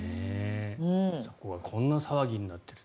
そこがこんな騒ぎになっている。